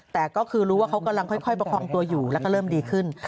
แต่ก็คือรู้ว่าเขากำลังค่อยประคองตัวอยู่แล้วก็เริ่มดีขึ้น